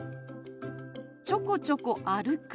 「ちょこちょこ歩く」。